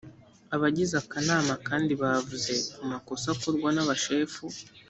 abagize akanama kandi bavuze ku makosa akorwa n abashefu